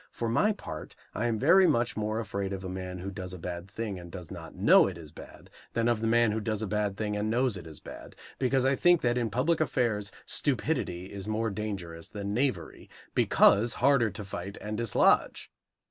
For my part, I am very much more afraid of the man who does a bad thing and does not know it is bad than of the man who does a bad thing and knows it is bad; because I think that in public affairs stupidity is more dangerous than knavery, because harder to fight and dislodge.